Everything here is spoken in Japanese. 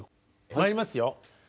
まいりますよ。